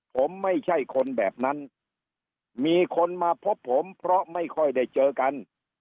ผมไม่ใช่คนแบบนั้นมีคนมาพบผมเพราะไม่ค่อยได้เจอกัน